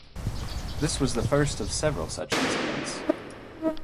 This was the first of several such incidents.